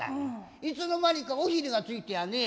いつの間にか尾ひれがついてやね